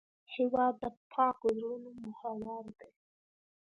هېواد د پاکو زړونو محور دی.